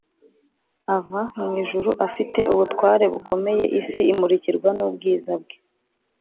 ava mu ijuru afite ubutware bukomeye isi imurikirwa n’ubwiza bwe.